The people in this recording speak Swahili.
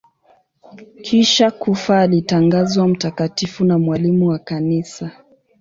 Kisha kufa alitangazwa mtakatifu na mwalimu wa Kanisa.